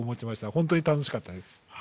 本当に楽しかったです。